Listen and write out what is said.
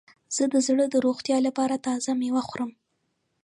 زه د زړه د روغتیا لپاره تازه میوه خورم.